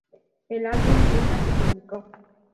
El álbum nunca se publicó.